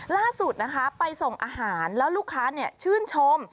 ล่าสุดนะคะไปส่งอาหารแล้วลูกค้าชื่นชม